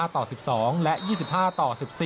ต่อ๑๒และ๒๕ต่อ๑๔